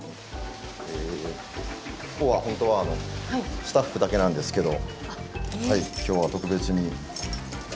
ここは本当はスタッフだけなんですけど今日は特別に。